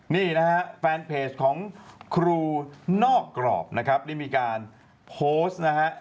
นี่นะฮะแฟนเพจของครูนอกกรอบนะครับได้มีการโพสต์นะฮะ